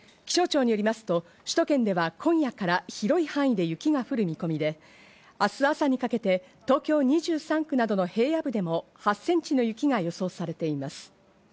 気象庁によりますと首都圏では今夜から広い範囲で雪が降る見込みで、明日朝にかけて東京２３区などの平野部などでも８センチの雪が予想されています。